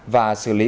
và xử lý